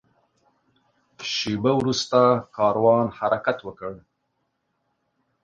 شېبه وروسته کاروان حرکت وکړ.